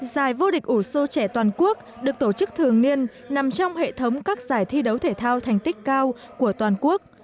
giải vô địch ủ sô trẻ toàn quốc được tổ chức thường niên nằm trong hệ thống các giải thi đấu thể thao thành tích cao của toàn quốc